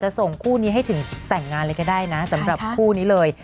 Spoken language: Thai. ส่งคู่นี้ให้ถึงแต่งงานเลยก็ได้นะสำหรับคู่นี้เลย